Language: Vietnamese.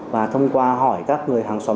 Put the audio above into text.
và thông qua hỏi các người hàng xóm